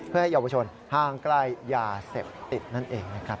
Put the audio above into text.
เพื่อให้เยาวชนห้างใกล้ยาเสพติดนั่นเองนะครับ